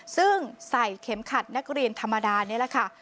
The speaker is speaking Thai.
ซึ่งใส่เข็มขัดนักเรียนธรรมดานี่แหละค่ะ